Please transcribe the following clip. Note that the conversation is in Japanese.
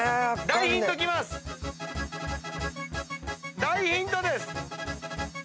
大ヒントです！